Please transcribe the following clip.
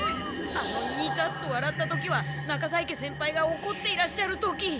あのニタッとわらった時は中在家先輩がおこっていらっしゃる時。